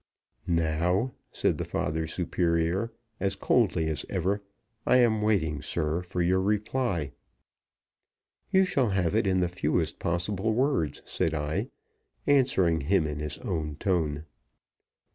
"Now," said the father superior, as coldly as ever, "I am waiting, sir, for your reply." "You shall have it in the fewest possible words," said I, answering him in his own tone.